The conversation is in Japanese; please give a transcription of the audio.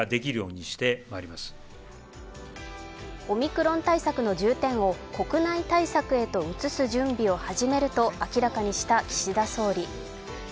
オミクロン対策の重点を国内対策へと移す準備を始めると明らかにした岸田総理。